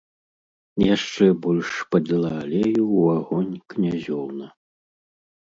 Яшчэ больш падліла алею ў агонь князёўна.